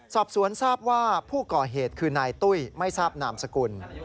สอบสวนทราบว่าผู้ก่อเหตุคือนายตุ้ยไม่ทราบนามสกุล